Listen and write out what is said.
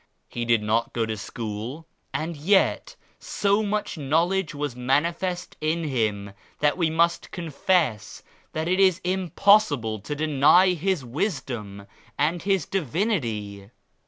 He did not go to school and yet so much Knowledge was manifest in Him that we must confess that it is impossible to deny His Wisdom and His Divinity.